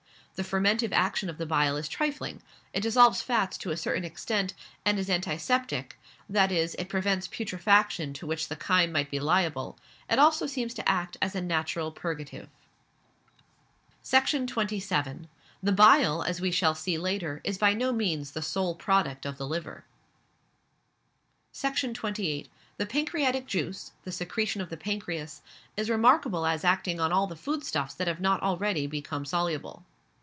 The fermentive action of the bile is trifling; it dissolves fats, to a certain extent, and is antiseptic, that is, it prevents putrefaction to which the chyme might be liable; it also seems to act as a natural purgative. Section 27. The bile, as we shall see later, is by no means the sole product of the liver. Section 28. The pancreatic juice, the secretion of the pancreas is remarkable as acting on all the food stuffs that have not already become soluble.